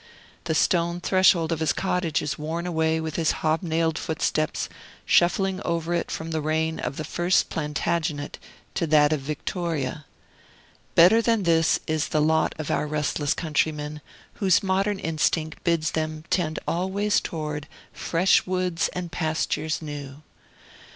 The stone threshold of his cottage is worn away with his hobnailed footsteps, shuffling over it from the reign of the first Plantagenet to that of Victoria. Better than this is the lot of our restless countrymen, whose modern instinct bids them tend always towards "fresh woods and pastures new."